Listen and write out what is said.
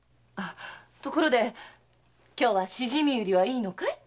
ところで今日は蜆売りはいいのかい？